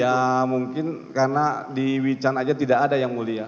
ya mungkin karena di wecan aja tidak ada yang mulia